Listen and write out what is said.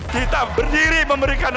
kita berdiri memberikan